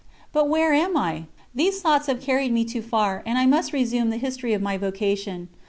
But where am I? These thoughts have carried me too far, and I must resume the history of my vocation.